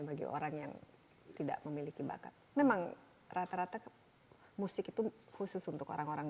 bagi orang yang tidak memiliki bakat memang rata rata musik itu khusus untuk orang orang